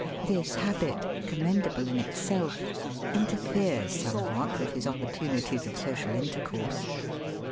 This habit, commendable in itself, interferes somewhat with his opportunities of social in tercourse.